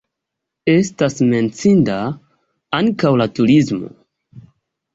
Estas menciinda ankaŭ la turismo.